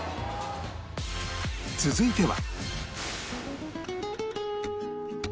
続いては